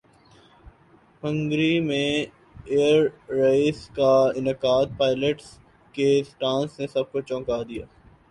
Hungary میں air race کا انعقادپائلٹس کے سٹنٹس نے سب کو چونکا دیا